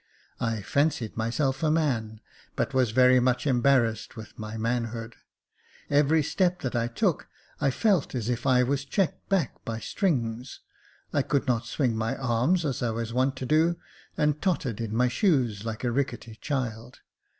I fancied myself a man, but was very much embarrassed with my manhood. Every step that I took I felt as if I was checked back by strings. I could not swing my arms as I was wont to do, and tottered in my shoes like a rickety child.